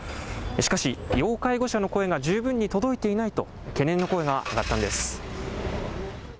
しかし、要介護者の声が十分に届いていないと、懸念の声が上がったんです。